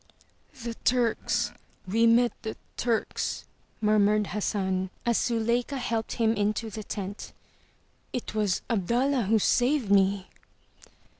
The Turks! We met the Turks!*' murmured Has san, as Zuleika helped him into the tent. It was Abdallah who saved me!"